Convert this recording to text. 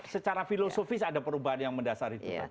secara filosofis ada perubahan yang mendasar itu